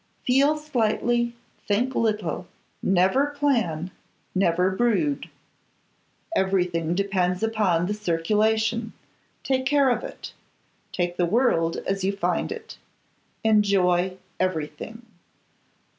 Feel slightly, think little, never plan, never brood. Everything depends upon the circulation; take care of it. Take the world as you find it; enjoy everything.